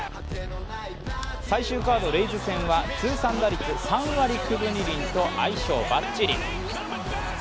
最終カード、レイズ戦は通算打率３割９分２厘と相性バッチリ。